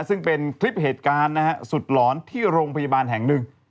ซึ่งเป็นคลิปเหตุการณ์นะฮะสุดหลอนที่โรงพยาบาลแห่งหนึ่ง